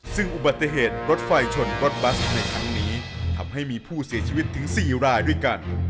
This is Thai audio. ซึ่งอุบัติเหตุรถไฟชนรถบัสในครั้งนี้ทำให้มีผู้เสียชีวิตถึง๔รายด้วยกัน